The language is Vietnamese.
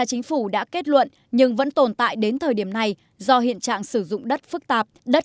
chính phủ đã kết luận nhưng vẫn tồn tại đến thời điểm này do hiện trạng sử dụng đất phức tạp đất